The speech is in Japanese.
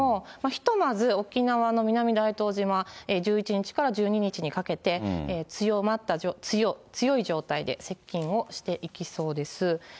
ひとまず、沖縄の南大東島、１１日から１２日にかけて、強い状態で接近をしていきそうです。